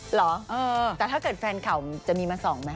หรอแต่ถ้าเกิดแฟนข่าวจะมีมาส่องมั้ย